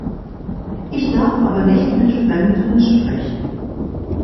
Ich darf aber nicht mit Fremden sprechen!